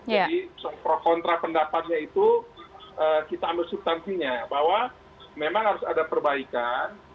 jadi kontra pendapatnya itu kita ambil substansinya bahwa memang harus ada perbaikan